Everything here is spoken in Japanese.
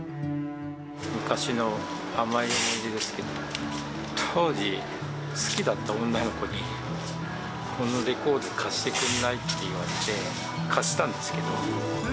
昔の甘い思い出ですけど、当時好きだった女の子に、このレコード貸してくれない？って言われて、貸したんですけど。